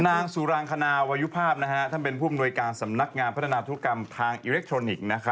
นางสุรางคณาวายุภาพท่านเป็นผู้อำนวยการสำนักงานพัฒนาธุรกรรมทางอิเล็กทรอนิกส์